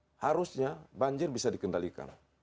saya nggak mau percaya mitos bahwa banjir bisa dikendalikan